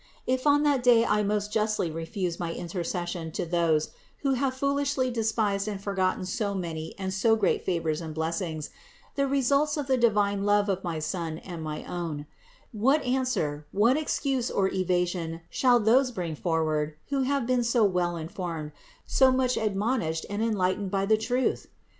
If on that day I most justly refuse my intercession to those, who have foolishly despised and forgotten so many and so great favors and blessings, the results of the divine love of my Son and my own : what answer, what excuse or evasion shall those then bring forward, who have been so well informed, so much admonished and enlightened by the truth?